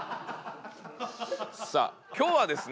さあ今日はですね